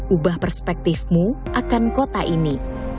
ubah perspektifmu akan kota ini